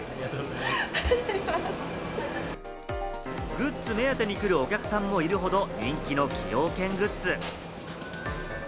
グッズ目当てに来るお客さんもいるほど、人気の崎陽軒グッズ。